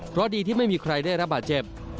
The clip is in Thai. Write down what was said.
เพราะดีที่ไม่มีใครได้รับบาดเจ็บ